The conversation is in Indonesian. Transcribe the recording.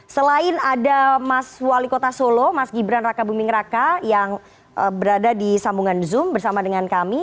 selain ada mas wali kota solo mas gibran raka buming raka yang berada di sambungan zoom bersama dengan kami